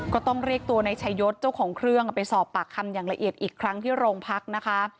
ก็ต้องเรียกตัวนายชายศเจ้าของเครื่องไปสอบปากคำอย่างละเอียดอีกครั้งที่โรงพักนะคะ